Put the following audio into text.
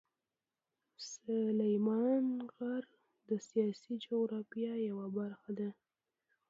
سلیمان غر د سیاسي جغرافیه یوه برخه ده.